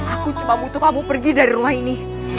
aku cuma butuh kamu pergi dari rumah ini